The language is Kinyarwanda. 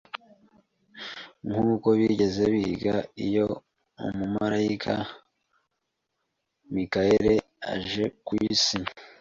nkuko bigeze biga. Iyo umumarayika Mikayeli aje kwisi